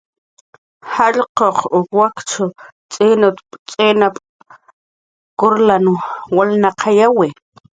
"Jallq'uq wakchan t'inap"" t'inap"" kurlan walnaqayawi"